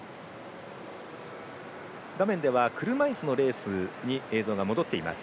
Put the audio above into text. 画面では車いすのレースに映像が戻っています。